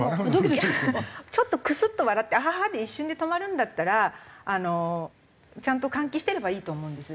ちょっとクスッと笑ってアハハで一瞬で止まるんだったらあのちゃんと換気してればいいと思うんです。